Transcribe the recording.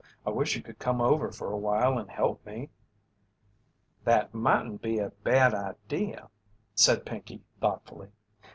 "I wish you could come over for awhile and help me." "That mightn't be a bad idea," said Pinkey, thoughtfully.